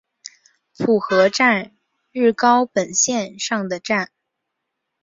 浦河站日高本线上的站。